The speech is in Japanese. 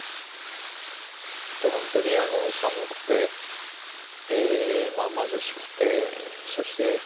ほんとに寒くて貧しくてそして。